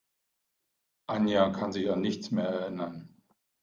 Anja kann sich an nichts mehr erinnern.